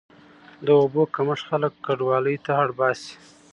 د اوبو کمښت خلک کډوالۍ ته اړ باسي.